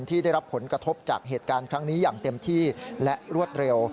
ที่ได้รับผลกระทบจากเหตุการณ์ครั้งนี้อย่างเต็มที่และรวดเร็ว